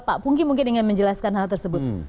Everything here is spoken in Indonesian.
pak pungki mungkin ingin menjelaskan hal tersebut